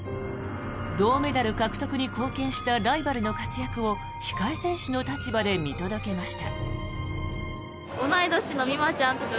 銅メダル獲得に貢献したライバルの活躍を控え選手の立場で見届けました。